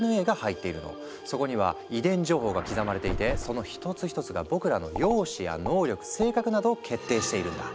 そこには遺伝情報が刻まれていてその１つ１つが僕らの容姿や能力性格などを決定しているんだ。